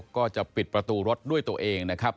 ก็จะปิดประตูรถด้วยตัวเองนะครับ